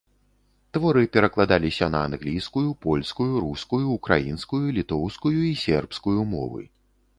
Творы перакладаліся на англійскую, польскую, рускую, украінскую, літоўскую і сербскую мовы.